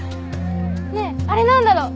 ねえあれなんだろう？